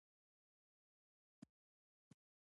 د واک د نسبي خلا په ترڅ کې هوا فرصت څخه استفاده وکړه.